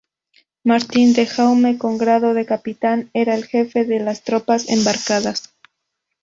Martín de Jaume, con grado de capitán, era el jefe de las tropas embarcadas.